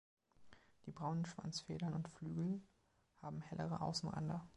Die braunen Schwanzfedern und Flügel haben hellere Außenränder.